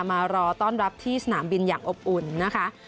มารอต้อนรับที่สนามบินอย่างอบอุ่นนะคะ